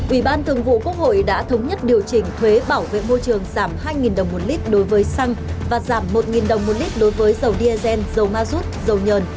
ủy ban thường vụ quốc hội đã thống nhất điều chỉnh thuế bảo vệ môi trường giảm hai đồng một lít đối với xăng và giảm một đồng một lít đối với dầu diesel dầu ma rút dầu nhờn